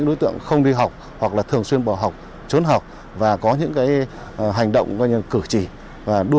đánh võng bốc đầu